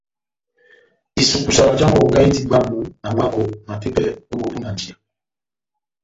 Isukusa já mahonga indi bwamu na mwako na tepɛ ó bóhó búnanjiya.